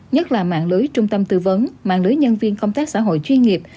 nhất là mạng lưới trung tâm tư vấn mạng lưới nhân viên công tác xã hội chuyên nghiệp